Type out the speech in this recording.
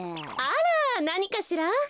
あらなにかしら。